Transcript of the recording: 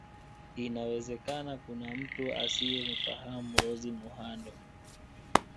Inawezeka kuna mtu asiyemfahamu Rose Muhando